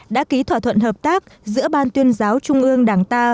đã ký thỏa thuận hợp tác giữa ban tuyên giáo trung ương đảng ta